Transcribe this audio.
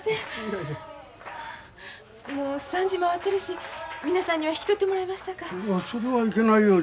もう３時回ってるし皆さんには引き取ってもらいますさかい。